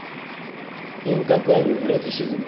品格あるエロチシズム。